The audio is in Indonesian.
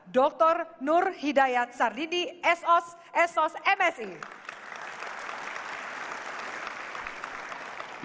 dr nur hidayat sardini sos sos msi